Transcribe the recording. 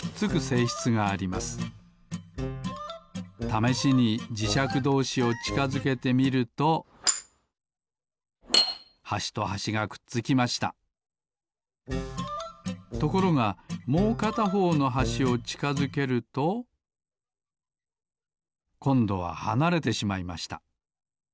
ためしにじしゃくどうしをちかづけてみるとはしとはしがくっつきましたところがもうかたほうのはしをちかづけるとこんどははなれてしまいました。